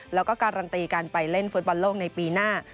แล้วก็การันตีการไปเล่นฟุตบอลโลกในปีหน้า